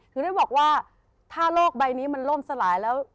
คือได้บอกว่าถ้าโลกใบนี้มันล่มสลายแล้ว